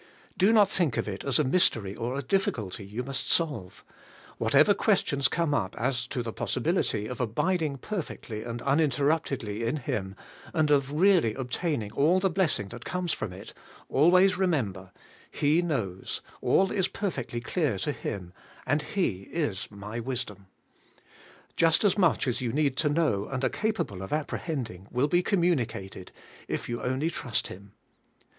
Do not think of it as a mystery or a difficulty you must solve. Whatever questions come up as to the possibility of abiding perfectly and uninterruptedly in Him, and of really obtaining all the blessing that 62 ABIDE IN CHRIST: comes from it, always remember: He knows, all is perfectly clear to Him, and He is my wisdom. Just as much as you need to know and are capable of ap prehending, will be communicated, if you only trust Him.